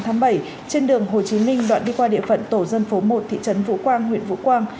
ngày trên đường hồ chí minh đoạn đi qua địa phận tổ dân phố một thị trấn vũ quang huyện vũ quang